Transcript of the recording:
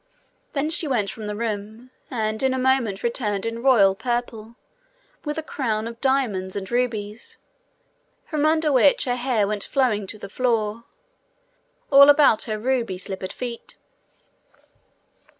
Then she went from the room, and in a moment returned in royal purple, with a crown of diamonds and rubies, from under which her hair went flowing to the floor, all about her ruby slippered feet.